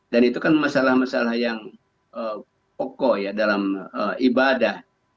itu kan masalah masalah yang pokok ya dalam ibadah